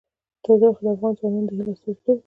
تودوخه د افغان ځوانانو د هیلو استازیتوب کوي.